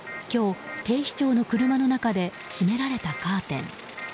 今日、警視庁の車の中で閉められたカーテン。